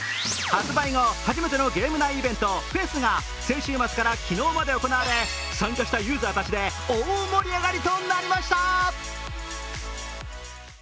発売後、初めてのゲーム内イベントフェスが先週末から昨日まで行われ参加したユーザーたちで大盛り上がりとなりました。